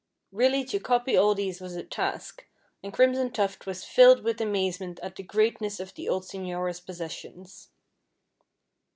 Really to copy all these was a task, and Crimson Tuft was filled with amazement at the greatness of the old señora's possessions.